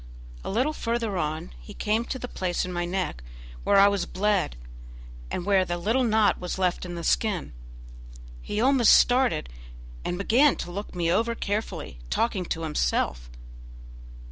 A little further on he came to the place in my neck where I was bled and where a little knot was left in the skin. He almost started, and began to look me over carefully, talking to himself.